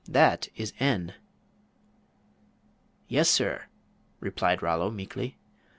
That is N." "Yes, sir," replied Rollo, meekly.